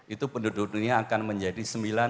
itu penduduk dunia akan menjadi